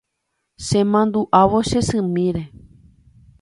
Chemandu'ávo che symíre